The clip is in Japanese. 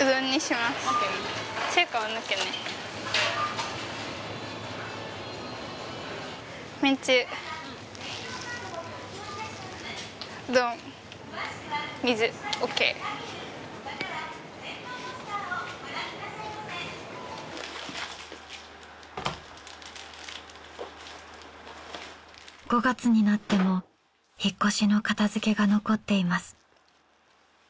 ５月になっても引っ越しの片付けが残っています。